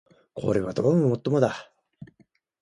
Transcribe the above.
これはどうも尤もだ